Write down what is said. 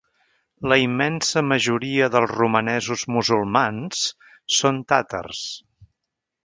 La immensa majoria dels romanesos musulmans són tàtars.